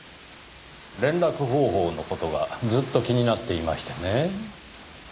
連絡方法の事がずっと気になっていましてね。